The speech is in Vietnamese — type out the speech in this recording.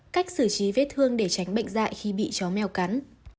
cách xử trí vết thương để tránh bệnh dạy khi bị chó mèo cắn